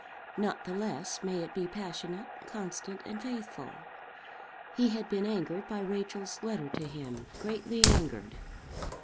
Not the less may it be passionate, constant, and faithful. He had been angered by Rachel's letter to him, greatly angered.